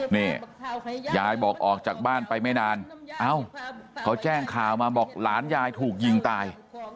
นี่ยายบอกออกจากบ้านไปไม่นานเอ้าเขาแจ้งข่าวมาบอกหลานยายถูกยิงตาย